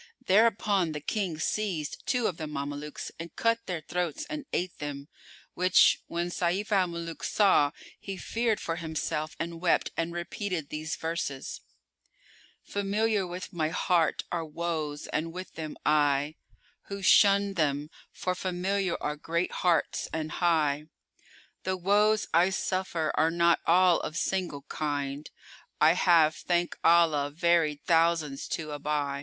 Thereupon the King seized two of the Mamelukes and cut their throats and ate them; which, when Sayf al Muluk saw, he feared for himself and wept and repeated these verses, "Familiar with my heart are woes and with them I * Who shunned them; for familiar are great hearts and high. The woes I suffer are not all of single kind. * I have, thank Allah, varied thousands to aby!"